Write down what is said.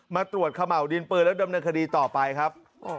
มาตรวจเขม่าวดินปืนแล้วดำเนินคดีต่อไปครับ